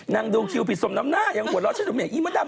นั่งดูคิวผิดสมน้ำหน้ายังหวดรอเชถมิอย่างอีมะดำ